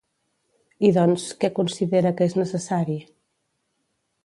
I doncs, què considera que és necessari?